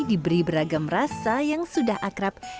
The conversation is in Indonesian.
diberi beragam rasa yang sudah akrab